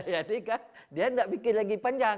jadi dia tidak pikir lagi lagi banyak